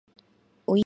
おおおいいいいいい